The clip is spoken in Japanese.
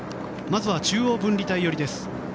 まずは中央分離帯寄りです。